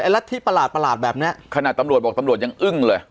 รัฐธิประหลาดประหลาดแบบเนี้ยขนาดตำรวจบอกตำรวจยังอึ้งเลย